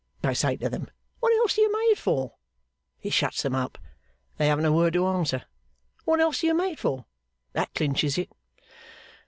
I say to them, What else are you made for? It shuts them up. They haven't a word to answer. What else are you made for? That clinches it.